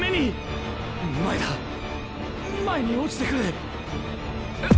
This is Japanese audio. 前だ前に落ちてくるッ。